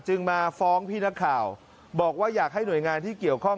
มาฟ้องพี่นักข่าวบอกว่าอยากให้หน่วยงานที่เกี่ยวข้อง